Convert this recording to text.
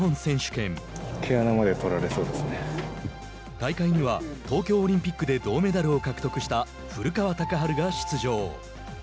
大会には東京オリンピックで銅メダルを獲得した古川高晴が出場。